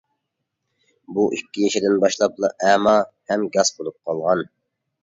ئۇ ئىككى يېشىدىن باشلاپلا ئەما ھەم گاس بولۇپ قالغان.